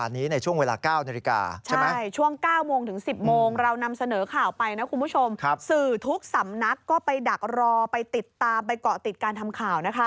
ติดตามไปเกาะติดการทำข่าวนะครับ